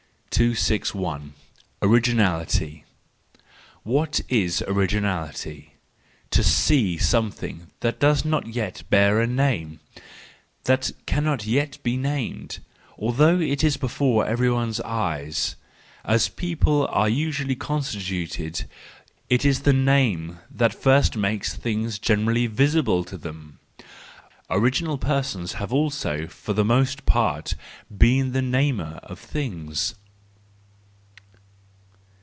261. Originality .—What is originality? To see some¬ thing that does not yet bear a name, that cannot yet be named, although it is before everybody's 208 THE JOYFUL WISDOM, III eyes. As people are usually constituted, it is the •name that first makes a thing generally visible to them.—Original persons have also for the most part been the namers of things.